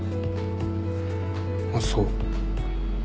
あっそう。